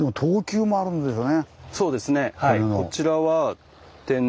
そうですねはい。